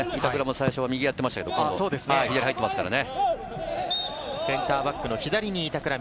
板倉も最初は右をやっていましたが左に入っていますからね。